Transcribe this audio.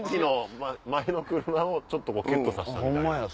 前の車をちょっとキュっとさせたみたいな。